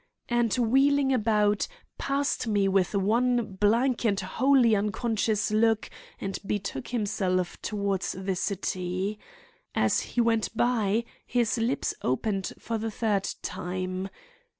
'; and, wheeling about, passed me with one blank and wholly unconscious look and betook himself toward the city. As he went by, his lips opened for the third time.